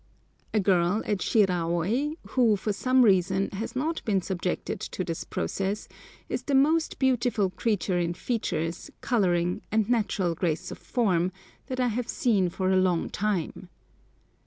A girl at Shiraôi, who, for some reason, has not been subjected to this process, is the most beautiful creature in features, colouring, and natural grace of form, that I have seen for a long time.